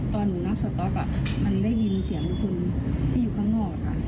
ตอนหนูนั่งสต๊อกมันได้ยินเสียงคนที่อยู่ข้างนอก